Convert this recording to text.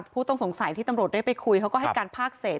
ผู้ต้องสงสัยที่ตำรวจเรียกไปคุยเขาก็ให้การภาคเศษ